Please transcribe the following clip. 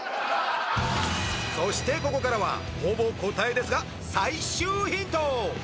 そしてここからはほぼ答えですが最終ヒント！